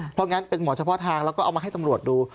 เพราะงั้นเป็นหมอเฉพาะทางแล้วก็เอามาให้ตำรวจดู